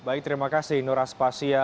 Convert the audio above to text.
baik terima kasih nur aspasya